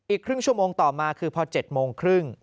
ครึ่งชั่วโมงต่อมาคือพอ๗โมงครึ่ง